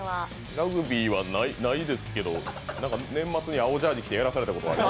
ラグビーはないですけど、年末に青ジャージ着て、やらされたことはある。